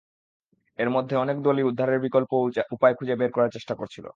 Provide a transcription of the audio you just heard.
এর মধ্যে অনেক দলই উদ্ধারের বিকল্প উপায় খুঁজে বের করার চেষ্টা করছিল।